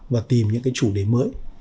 và tìm những cái chủ đề mới